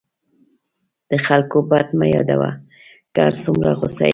د خلکو بد مه یادوه، که هر څومره غصه یې.